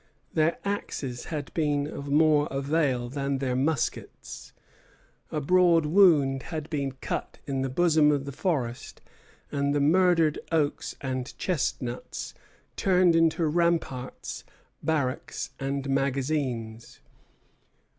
Their axes had been of more avail than their muskets. A broad wound had been cut in the bosom of the forest, and the murdered oaks and chestnuts turned into ramparts, barracks, and magazines.